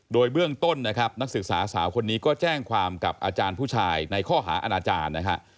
โดยเบื้องต้นนะครับนักศึกษาสาวคนนี้ก็แจ้งความกับอาจารย์ผู้ชายในข้อหาอาณาจารย์นะฮะ